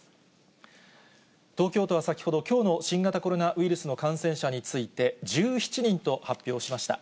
東京都は先ほど、きょうの新型コロナウイルスの感染者について、１７人と発表しました。